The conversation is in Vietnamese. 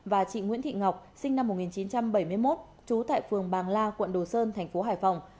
và chị nguyễn thị ngọc sinh năm một nghìn chín trăm bảy mươi một trú tại phường bàng la quận đồ sơn thành phố hải phòng